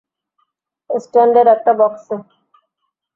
স্ট্যান্ডের একটা বক্সে।